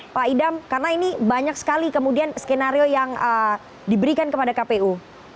pak idam karena ini banyak sekali kemudian skenario yang diberikan kepada kpu